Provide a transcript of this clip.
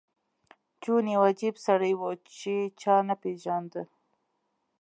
جون یو عجیب سړی و چې چا نه پېژانده